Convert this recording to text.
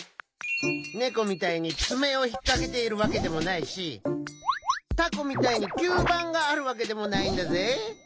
ネコみたいにつめをひっかけているわけでもないしタコみたいにきゅうばんがあるわけでもないんだぜ？